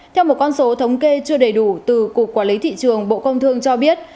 theo một con số thống kê chưa đầy đủ từ cục quản lý thị trường bộ công thương cho biết